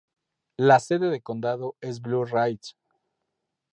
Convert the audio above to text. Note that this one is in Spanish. La sede de condado es Blue Ridge.